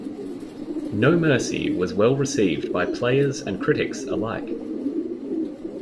"No Mercy" was well received by players and critics alike.